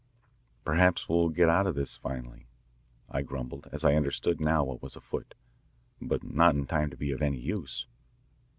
"Perhaps we'll get out of this finally," I grumbled as I understood now what was afoot, "but not in time to be of any use."